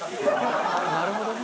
なるほどね。